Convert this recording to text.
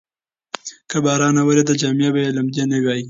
که باران نه وریده، جامې به یې لمدې نه وای.